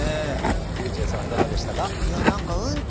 ｒｙｕｃｈｅｌｌさんはいかがでしたか？